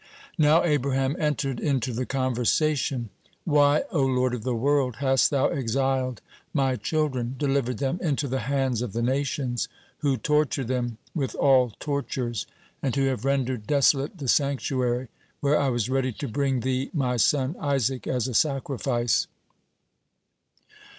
(33) Now Abraham entered into the conversation: "Why, O Lord of the world, hast Thou exiled my children, delivered them into the hands of the nations, who torture them with all tortures, and who have rendered desolate the sanctuary, where I was ready to bring Thee my son Isaac as a sacrifice?"